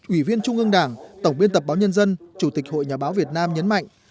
ủy viên trung ương đảng tổng biên tập báo nhân dân chủ tịch hội nhà báo việt nam nhấn mạnh